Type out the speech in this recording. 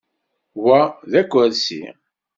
Wa d akersi.